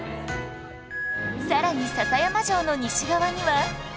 さらに篠山城の西側には